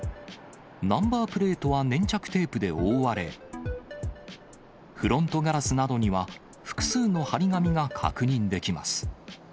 ナンバープレートは粘着テープで覆われ、フロントガラスなどには複数の貼り紙が確認できます。